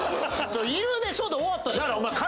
「いるでしょ」で終わったでしょ。